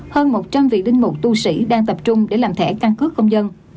hơn một trăm linh vị linh mục tu sĩ đang tập trung để làm thẻ căn cước công dân